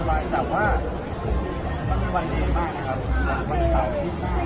แต่ว่าสักฆ่าต้องเป็นวันเองมากนะครับ